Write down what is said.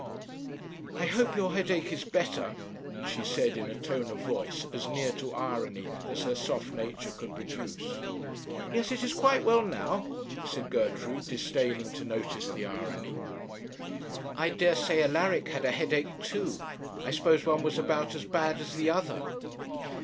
'I hope your headache is better,' she said, in a tone of voice as near to irony as her soft nature could produce. 'Yes, it is quite well now,' said Gertrude, disdaining to notice the irony. 'I dare say Alaric had a headache too. I suppose one was about as bad as the other.'